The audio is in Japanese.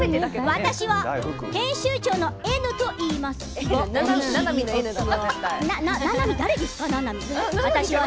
私は編集長のエヌといいます。